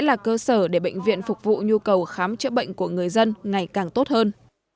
là cơ sở để bệnh viện phục vụ nhu cầu khám chữa bệnh của người dân ngày càng tốt hơn